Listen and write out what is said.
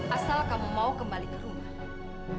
asal kamu mau kembali ke rumahmu